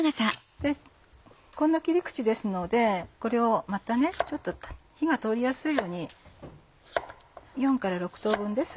こんな切り口ですのでこれをまた火が通りやすいように４から６等分です。